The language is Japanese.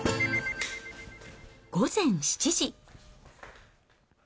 午前７時。